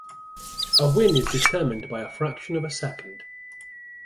A win is determined by a fraction of a second.